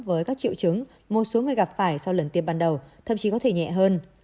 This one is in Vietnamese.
với các triệu chứng một số người gặp phải sau lần tiêm ban đầu thậm chí có thể nhẹ hơn